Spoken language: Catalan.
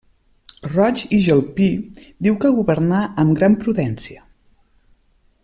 Roig i Jalpí diu que governà amb gran prudència.